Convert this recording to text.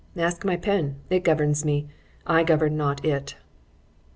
——Ask my pen,—it governs me,—I govern not it.